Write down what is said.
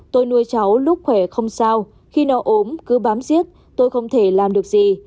tôi nuôi cháu lúc khỏe không sao khi no ốm cứ bám giết tôi không thể làm được gì